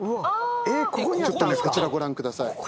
こちらご覧ください。